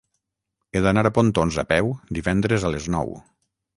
He d'anar a Pontons a peu divendres a les nou.